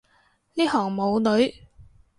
呢行冇女